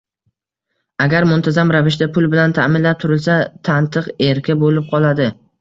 Agar muntazam ravishda pul bilan ta’minlab turilsa – tantiq, erka bo‘lib qoladi.